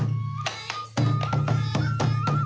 สวัสดีครับ